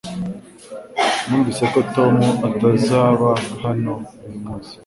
Numvise ko Tom atazaba hano uyu munsi